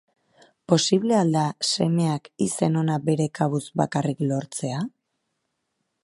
Posible al da semeak izen ona bere kabuz bakarrik lortzea?